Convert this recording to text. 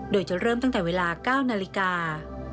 โดยจะเริ่มตั้งแต่เวลา๙นาฬิกา